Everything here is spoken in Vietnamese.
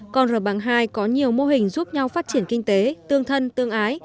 con rờ bàng hai có nhiều mô hình giúp nhau phát triển kinh tế tương thân tương ái